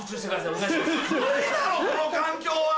この環境は。